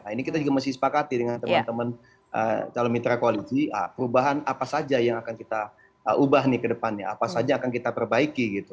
ini kita juga mesti sepakati dengan teman teman calon mitra koalisi perubahan apa saja yang akan kita ubah nih ke depannya apa saja akan kita perbaiki gitu